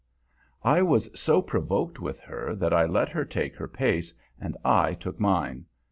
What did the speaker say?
I was so provoked with her that I let her take her pace and I took mine.